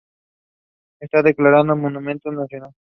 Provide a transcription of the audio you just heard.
Está declarado Monumento Nacional.